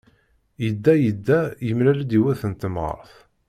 Yedda, yedda, yemlal-d yiwet n temɣart.